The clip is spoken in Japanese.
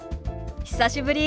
久しぶり。